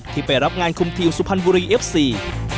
ไปรับงานคุมทีมสุพรรณบุรีเอฟซี